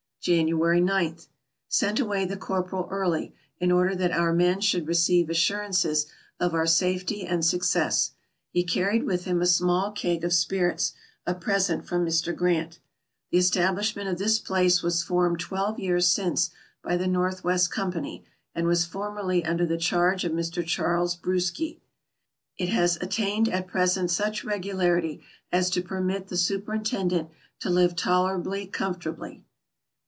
January p. — Sent away the corporal early, in order that our men should receive assurances of our safety and success. He carried with him a small keg of spirits, a present from Mr. Grant. The establishment of this place was formed twelve years since by the North West Company, and was formerly under the charge of Mr. Charles Brusky. It has at tained at present such regularity as to permit the superinten dent to live tolerably comfortably.